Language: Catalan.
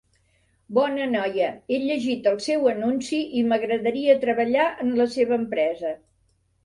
Bona noia, he llegit el seu anunci i m'agradaria treballar en la seva empresa.